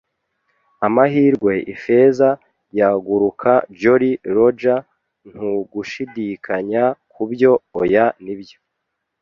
amahirwe, Ifeza yaguruka Jolly Roger, ntugushidikanya kubyo. Oya, nibyo